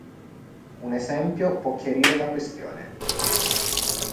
Un esempio può chiarire la questione.